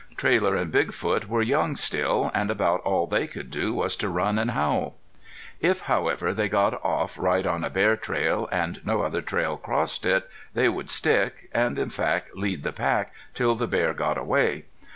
Trailer and Big Foot were young still, and about all they could do was to run and howl. If, however, they got off right on a bear trail, and no other trail crossed it they would stick, and in fact lead the pack till' the bear got away.